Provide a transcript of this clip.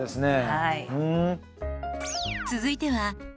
はい。